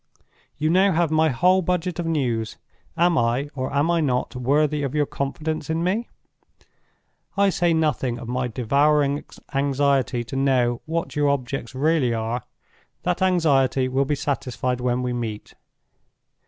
"You now have my whole budget of news. Am I, or am I not, worthy of your confidence in me? I say nothing of my devouring anxiety to know what your objects really are—that anxiety will be satisfied when we meet.